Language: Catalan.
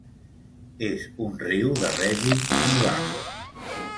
És un riu de règim nival.